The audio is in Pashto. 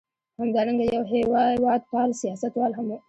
همدارنګه یو هېواد پال سیاستوال هم و.